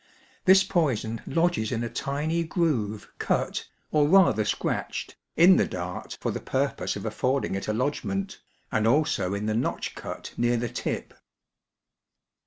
This poison lodges in a tiny groove cut, or rather scratched, in the dart for 536 BLOWPIPE WEAPONS. the purpose of affording it a lodgment, and also in the notch cot near the tip.